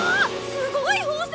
すごい宝石！